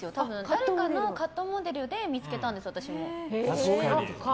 誰かのカットモデルで見つけたんです、私も。